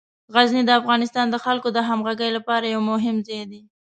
غزني د افغانستان د خلکو د همغږۍ لپاره یو مهم ځای دی.